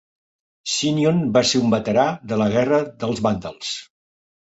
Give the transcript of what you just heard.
Sinnion va ser un veterà de la guerra del Vàndals.